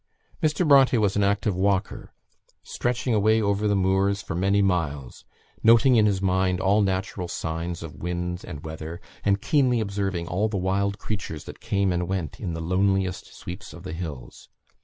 Mr. Bronte was an active walker, stretching away over the moors for many miles, noting in his mind all natural signs of wind and weather, and keenly observing all the wild creatures that came and went in the loneliest sweeps of the hills.